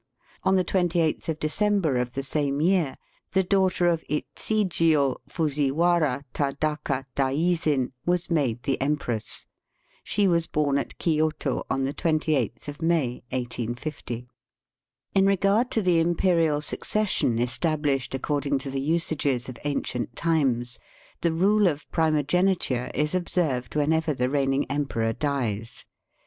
On the 28th of December of the same year, the daughter of Ichijio Fuziwara Tadaka daizin was made the empress. She was bom at Kioto on the 28th of May, 1860. In regard to the imperial succession estabhshed according to the usages of ancient times, the rule of primogeniture is observed whenever the reigning emperor dies.